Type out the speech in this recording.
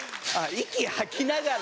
息吐きながら。